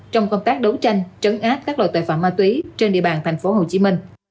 trong công tác đấu tranh trấn áp các loại tội phạm ma túy trên địa bàn tp hcm